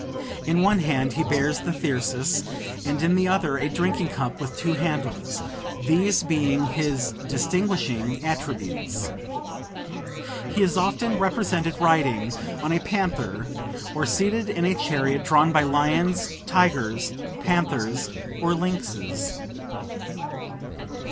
In one hand he bears the Thyrsus, and in the other a drinking cup with two handles, these being his distinguishing attributes. He is often represented riding on a panther, or seated in a chariot drawn by lions, tigers, panthers, or lynxes.